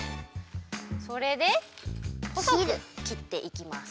それでほそく切っていきます。